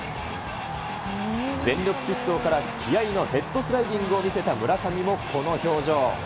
全力疾走から気合いのヘッドスライディングを見せた村上もこの表情。